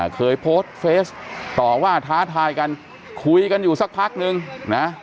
เคยโพสต์เฟสต่อว่าท้าทายกันคุยกันอยู่สักพักนึงนะ